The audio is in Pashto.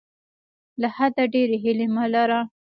له حده ډیرې هیلې مه لره.